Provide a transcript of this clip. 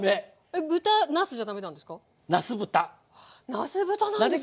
なす豚なんですか。